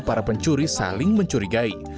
para pencuri saling mencurigai